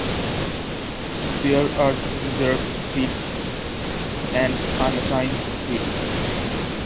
There are reserved seats and unassigned seats.